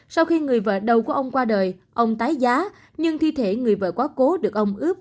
sau khi người vợ đầu của ông qua đời ông tái giá nhưng thi thể người vợ quá cố được ông ướp